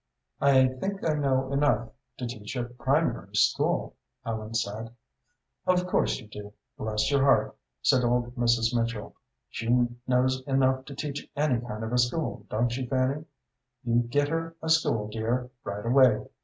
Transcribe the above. "I think I know enough to teach a primary school," Ellen said. "Of course you do, bless your heart," said old Mrs. Mitchell. "She knows enough to teach any kind of a school, don't she, Fanny? You get her a school, dear, right away."